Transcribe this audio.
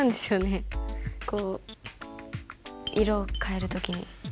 こう色を変える時に。